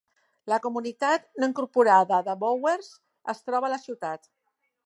La comunitat no incorporada de Bowers es troba a la ciutat.